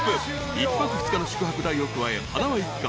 ［１泊２日の宿泊代を加えはなわ一家